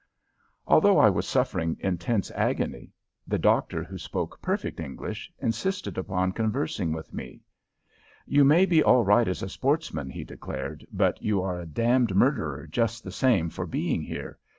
Although I was suffering intense agony, the doctor, who spoke perfect English, insisted upon conversing with me. "You may be all right as a sportsman," he declared, "but you are a damned murderer just the same for being here.